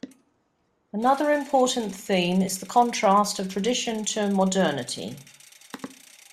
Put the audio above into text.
Another important theme is the contrast of tradition to modernity.